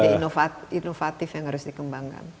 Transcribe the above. ide ide inovatif yang harus dikembangkan